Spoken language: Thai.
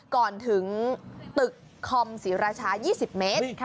ก่อนถึงตึกคอมศรีราชา๒๐เมตร